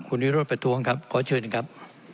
คุณวิโรธคุณวิโรธประทรวงครับขอเชิญหนึ่งครับ